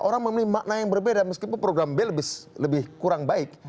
orang memilih makna yang berbeda meskipun program b lebih kurang baik